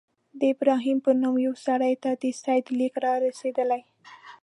د ابراهیم په نوم یوه سړي ته د سید لیک را رسېدلی.